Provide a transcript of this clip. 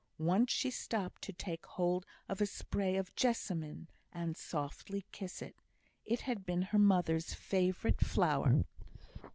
Once she stopped to take hold of a spray of jessamine, and softly kiss it; it had been her mother's favourite flower.